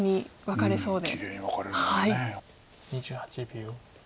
２８秒。